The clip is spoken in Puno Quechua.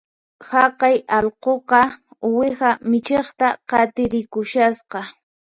Haqay allquqa uwiha michiqta qatirikushasqa